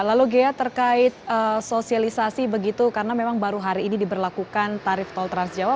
lalu ghea terkait sosialisasi begitu karena memang baru hari ini diberlakukan tarif tol transjawa